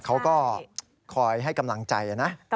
เขาก็คอยให้กำลังใจนะ